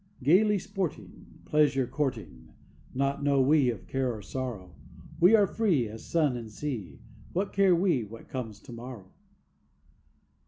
"Gaily sporting, Pleasure courting, Nought know we of care or sorrow. We are free As sun and sea, What care we what comes to morrow_?"